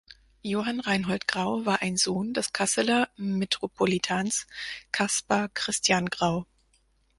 Johann Reinhold Grau war ein Sohn des Kasseler Metropolitans Caspar Christian Grau.